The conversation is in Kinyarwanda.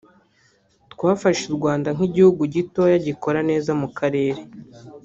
Twafashe u Rwanda nk’igihugu gitoya gikora neza mu Karere